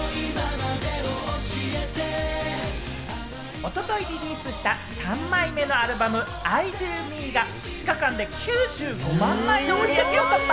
一昨日リリースした３枚目のアルバム『ｉＤＯＭＥ』が、２日間で９５万枚の売り上げを突破。